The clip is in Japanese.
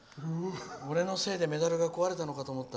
俺のせいでメダルが壊れたのかと思った。